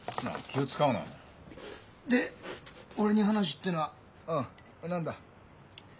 で俺に話ってのは何だ？